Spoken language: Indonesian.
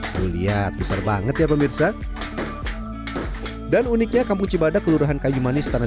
beli atas banget ya pemirsa dan uniknya kampung cibadak kelurahan kayu manis tanah